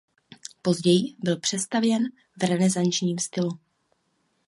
Později byl přestavěn v renesančním stylu.